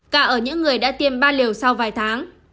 cả ở những người đã tiêm ba liều sau vài tháng